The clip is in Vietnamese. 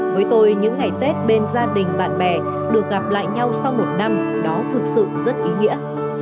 với tôi những ngày tết bên gia đình bạn bè được gặp lại nhau sau một năm đó thực sự rất ý nghĩa